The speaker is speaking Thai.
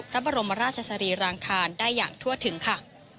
พระบรมราชสรีรางคารได้อย่างทั่วถึงค่ะ